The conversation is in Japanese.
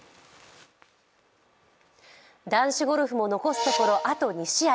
男子ゴルフも残すところあと２試合。